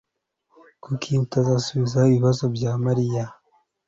Kuki atazasubiza ibibazo bya Mariya?